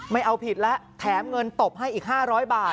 ไม่เอาผิดแล้วแถมเงินตบให้อีก๕๐๐บาท